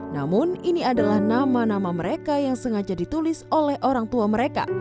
namun ini adalah nama nama mereka yang sengaja ditulis oleh orang tua mereka